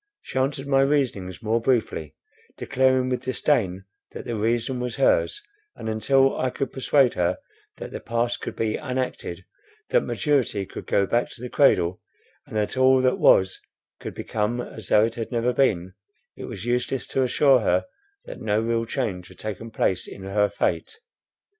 She answered my reasonings more briefly, declaring with disdain, that the reason was hers; and, until I could persuade her that the past could be unacted, that maturity could go back to the cradle, and that all that was could become as though it had never been, it was useless to assure her that no real change had taken place in her fate.